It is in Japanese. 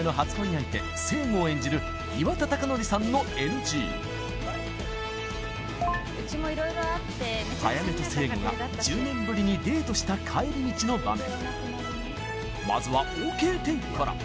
相手成吾を演じる岩田剛典さんのＮＧ早梅と成吾が１０年ぶりにデートした帰り道の場面